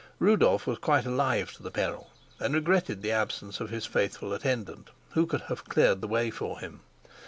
Rudolf was quite alive to the peril, and regretted the absence of his faithful attendant, who could have cleared the way for him.